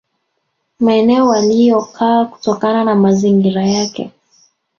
Maeneo waliyokaa kutokana na mazingira yake